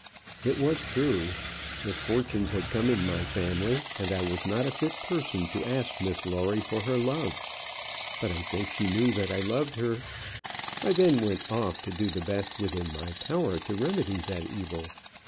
It was true. Misfortunes had come in my family, and I was not a fit person to ask Miss Lawrie for her love. But I think she knew that I loved her. I then went off to do the best within my power to remedy that evil.